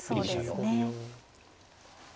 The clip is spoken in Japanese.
そうですね。